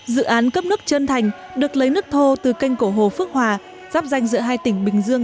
dự án cấp nước trơn thành được lấy nước thô từ kênh cổ hồ phước hòa giáp danh giữa hai tỉnh bình dương